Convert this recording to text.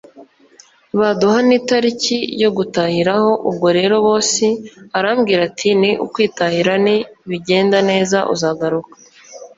Baduha n’itariki yo gutahiraho…ubwo rero bosi arambwira ati ni ‘ukwitahira ni bigenda neza uzagaruka”